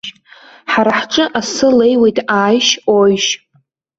Ҳара ҳҿы асы леиуеит, ааишь, ооишь!